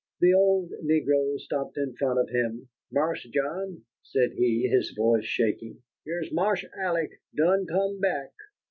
The old negro stopped in front of him. "Marse John," said he, his voice shaking, "heah's Marse Alec done come back."